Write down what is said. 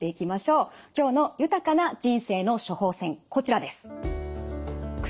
今日の豊かな人生の処方せんこちらです。